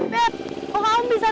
beb kok kamu bisa